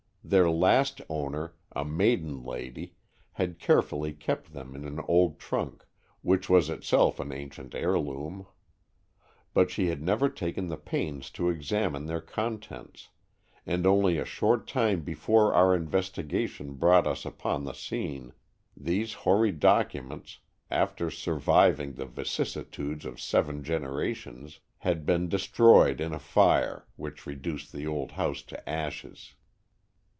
Their last owner, a maiden lady, had carefully kept them in an old trunk, which was itself an ancient heirloom. But she had never taken the pains to examine their contents, and only a short time before our investigation brought us upon the scene, these hoary documents, after surviving the vicissitudes of seven generations, had been destroyed in a fire which reduced the old house to ashes!